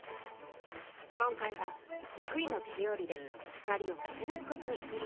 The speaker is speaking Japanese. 今回は得意の手料理で２人をもてなすことに。